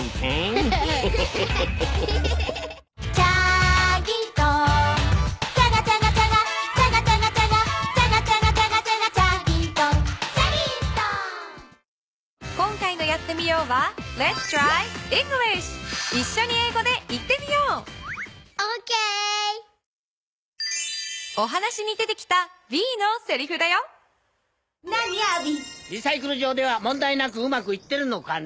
アービン」「リサイクル場では問題なくうまくいってるのかな？」